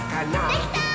できたー！